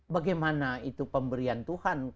bagaimana itu pemberian tuhan